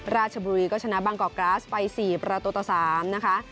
ราชบุรีก็ชนะบางกอกกราสไป๔ประตูต่อ๓นะคะ